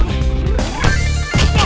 kau harus hafal penuh ya